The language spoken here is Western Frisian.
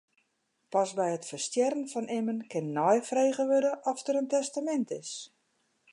Pas by it ferstjerren fan immen kin neifrege wurde oft der in testamint is.